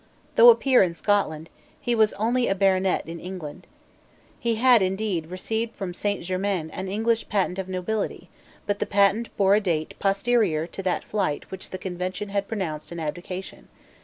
Though a peer in Scotland, he was only a baronet in England. He had, indeed, received from Saint Germains an English patent of nobility; but the patent bore a date posterior to that flight which the Convention had pronounced an abdication.